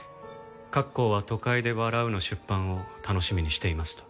「『郭公は都会で笑う』の出版を楽しみにしています」と。